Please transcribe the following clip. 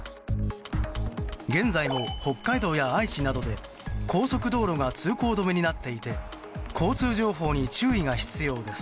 現在も北海道や愛知などで高速道路が通行止めになっていて交通情報に注意が必要です。